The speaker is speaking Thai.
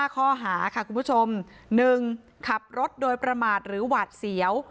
๕ข้อหาค่ะคุณผู้ชม๑ขับรถโดยประมาทหรือหวาดเสียว